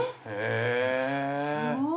◆すごい。